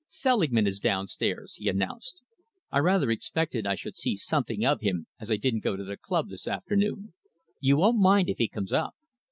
"Selingman is down stairs," he announced. "I rather expected I should see something of him as I didn't go to the club this afternoon. You won't mind if he comes up?"